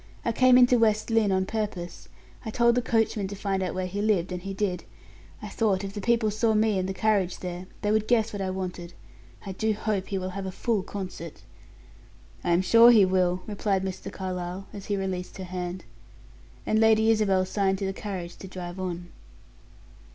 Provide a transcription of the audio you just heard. "I came into West Lynne on purpose. I told the coachman to find out where he lived, and he did. I thought if the people saw me and the carriage there, they would guess what I wanted. I do hope he will have a full concert." "I am sure he will," replied Mr. Carlyle, as he released her hand. And Lady Isabel signed to the carriage to drive on.